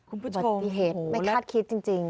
อุบัติเหตุไม่คาดคิดจริง